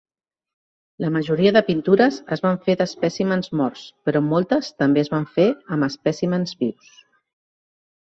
La majoria de pintures es van fer d'espècimens morts, però moltes també es van fer amb espècimens vius.